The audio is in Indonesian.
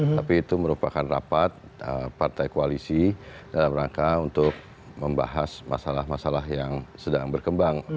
tapi itu merupakan rapat partai koalisi dalam rangka untuk membahas masalah masalah yang sedang berkembang